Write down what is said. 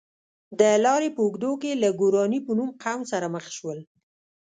د لارې په اوږدو کې له ګوراني په نوم قوم سره مخ شول.